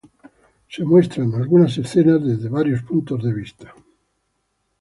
Algunas escenas son mostradas desde varios puntos de vista.